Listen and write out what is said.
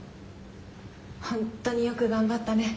本当によく頑張ったね。